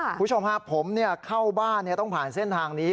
คุณผู้ชมฮะผมเข้าบ้านต้องผ่านเส้นทางนี้